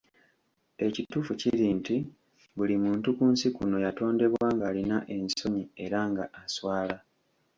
Ekituufu kiri nti buli muntu ku nsi kuno yatondebwa ng'alina ensonyi era nga aswala.